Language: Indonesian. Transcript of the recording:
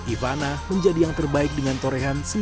ivana menjadi yang terbaik dengan torehan sembilan dua ratus poin